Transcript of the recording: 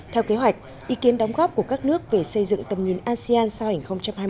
theo kế hoạch ý kiến đóng góp của các nước về xây dựng tầm nhìn asean sau hành hai mươi năm